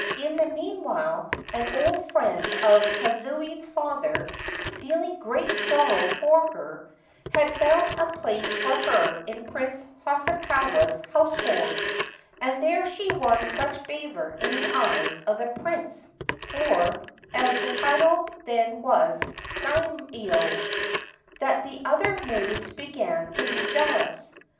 In the meanwhile an old friend of Kazuye's father, feeling great sorrow for her, had found a place for her in Prince Hosokawa's household ; and there she won such favour in the eyes of the Prince (or, as the title then was, Daimio) that the other maids began to be jealous.